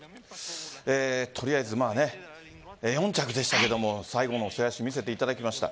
とりあえず４着でしたけれども、最後の末脚見せていただきました。